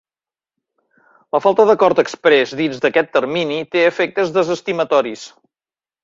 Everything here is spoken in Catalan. La falta d'acord exprés dins d'aquest termini té efectes desestimatoris.